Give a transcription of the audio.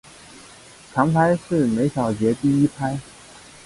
强拍是每小节第一拍。